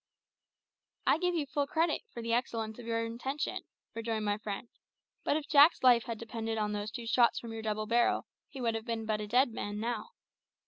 "I give you full credit for the excellence of your intention," rejoined my friend; "but if Jack's life had depended on those two shots from your double barrel, he would have been but a dead man now.